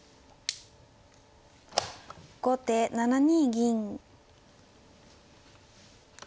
後手７二銀。